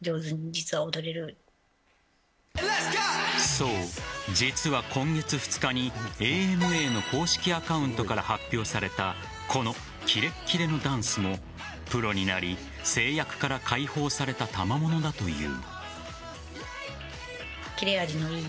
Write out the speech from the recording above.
そう、実は今月２日にＡＮＡの公式アカウントから発表されたこの、きれっきれのダンスもプロになり制約から解放されたたまものだという。